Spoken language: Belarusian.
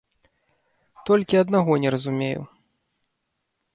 Толькі аднаго не разумею.